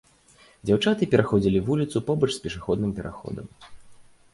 Дзяўчаты пераходзілі вуліцу побач з пешаходным пераходам.